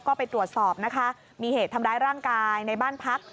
ก็ไปตรวจสอบนะคะมีเหตุทำร้ายร่างกายในบ้านพัก